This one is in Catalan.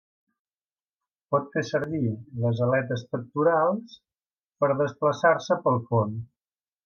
Pot fer servir les aletes pectorals per desplaçar-se pel fons.